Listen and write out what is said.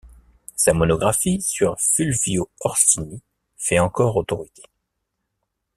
Sa monographie sur Fulvio Orsini fait encore autorité.